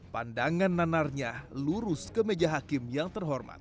pandangan nanarnya lurus ke meja hakim yang terhormat